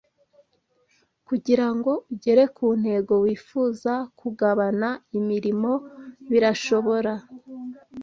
Kugirango ugere ku ntego wifuza kugabana imirimo birashobora